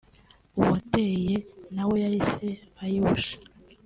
uwayiteye nawe yahise ayihusha